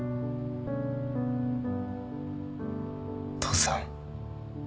父さん